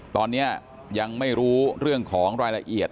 ตอนนี้ยังไม่รู้เรื่องของรายละเอียด